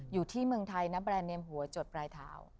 อยู่ที่เมืองไทยนะแบรนดเนมหัวจดปลายเท้า